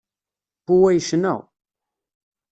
Pua yecna.